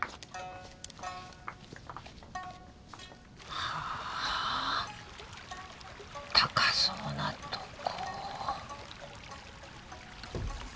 はあ高そうなとこ。